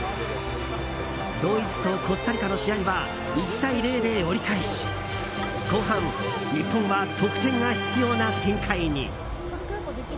ドイツとコスタリカの試合は１対０で折り返し後半、日本は得点が必要な展開に。